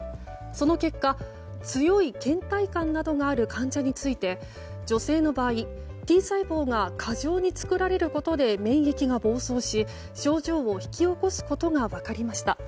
その結果、強い倦怠感などがある患者について女性の場合Ｔ細胞が過剰に作られることで免疫が暴走し、症状を引き起こすことが分かりました。